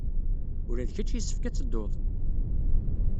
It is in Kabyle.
Ula d kecc yessefk ad tedduḍ!